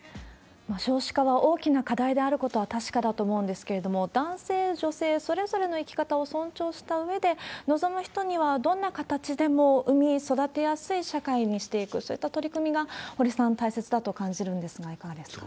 少子化は大きな課題であることは確かだと思うんですけれども、男性、女性それぞれの生き方を尊重したうえで、望む人にはどんな形でも産み、育てやすい社会にしていく、そういった取り組みが、堀さん、大切だと感じるんですが、いかがですか？